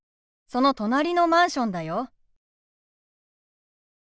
その隣のマンションだよ。